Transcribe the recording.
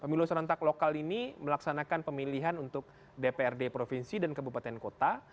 pemilu serentak lokal ini melaksanakan pemilihan untuk dprd provinsi dan kabupaten kota